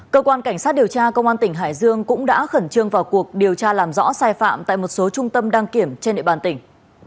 cơ quan cảnh sát điều tra công an tỉnh hải dương cũng đã khẩn trương vào cuộc điều tra làm rõ sai phạm tại một số trung tâm đăng kiểm trên địa bàn tỉnh